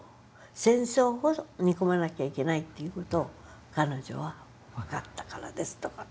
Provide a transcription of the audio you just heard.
戦争こそ憎まなきゃいけないという事を彼女は分かったからですと。